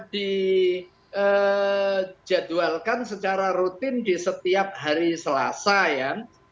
dijadwalkan secara rutin di setiap hari selasa ya